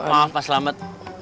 maaf mas selamat